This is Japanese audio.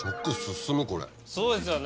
そうですよね。